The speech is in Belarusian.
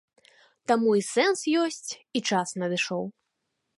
Таму і сэнс ёсць, і час надышоў.